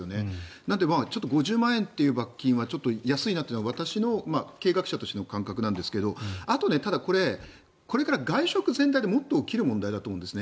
なので、ちょっと５０万円という罰金は安いなというのが私の経営者としての感覚なんですがあと、これ、外食全体でもっと起きる問題だと思うんです。